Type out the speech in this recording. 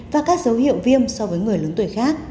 và các dấu hiệu viêm so với người lớn tuổi khác